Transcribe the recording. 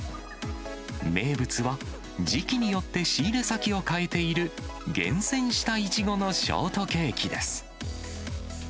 名物は、時期によって仕入れ先を変えている、厳選したいちごのショートケーキです。